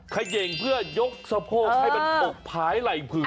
เขย่งเพื่อยกสะโพกให้มันอกผายไหล่ผึ่ง